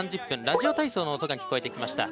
ラジオ体操の音が聞こえてきました。